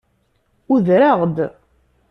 Udreɣ-d.